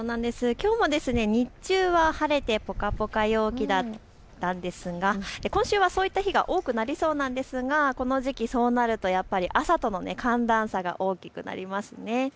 きょうも日中は晴れてぽかぽか陽気だったんですが今週はそういった日が多くなりそうなんですが、この時期そうなるとやっぱり朝との寒暖差が大きくなりますね。